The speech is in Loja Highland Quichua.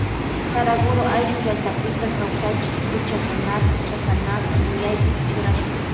Saraguro ayllu llaktapika kawsachin huchakunata chakanata yuyaypi churashpa.